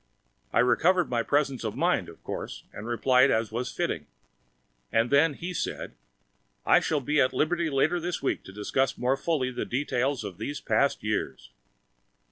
I recovered my presence of mind, of course, and replied as was fitting. And then He said it! "I shall be at liberty later this week to discuss more fully the details of these past years."